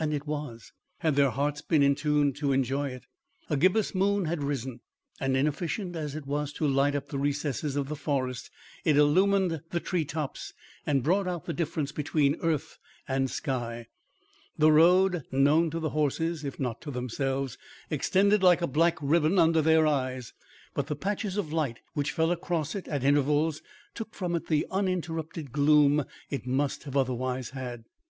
And it was, had their hearts been in tune to enjoy it. A gibbous moon had risen, and, inefficient as it was to light up the recesses of the forest, it illumined the tree tops and brought out the difference between earth and sky. The road, known to the horses, if not to themselves, extended like a black ribbon under their eyes, but the patches of light which fell across it at intervals took from it the uninterrupted gloom it must have otherwise had. Mr.